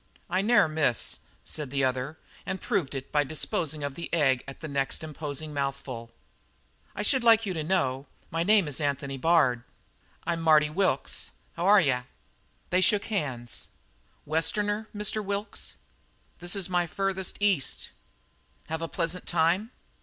"I ne'er miss," said the other, and proved it by disposing of the egg at the next imposing mouthful. "I should like to know you. My name is Anthony Bard." "I'm Marty Wilkes. H'ware ye?" They shook hands. "Westerner, Mr. Wilkes?" "This is my furthest East." "Have a pleasant time?"